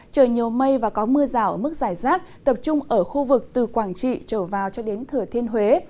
trời nhiều mây và có mưa rào ở mức giải rác tập trung ở khu vực từ quảng trị trở vào cho đến thừa thiên huế